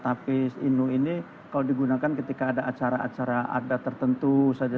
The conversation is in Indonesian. tapi inu ini kalau digunakan ketika ada acara acara adat tertentu saja